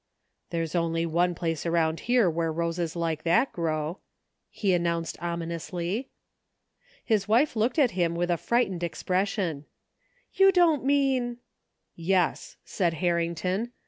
There's only one place around here where roses like that grow," he announced ominously. His wife looked at him with a frightened expression. "You don't mean ?"" Yes," said Harrington.